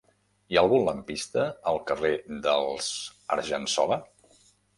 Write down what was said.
Hi ha algun lampista al carrer dels Argensola?